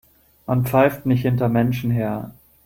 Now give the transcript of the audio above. Man pfeift nicht hinter Menschen her.